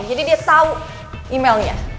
jadi dia tahu emailnya